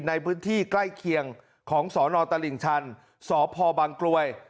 ในพื้นที่ใกล้เคียงของสนตลิ่งชันสพบังกลวย